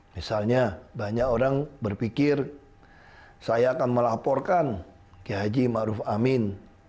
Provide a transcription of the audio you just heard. misalnya banyak orang berpikir saya akan melaporkan ki haji ma'ruf amin